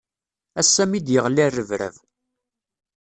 Ass-a mi d-yeɣli rrebrab.